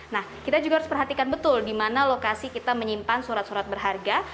nah kita juga harus perhatikan betul di mana lokasi kita menyimpan surat surat berharga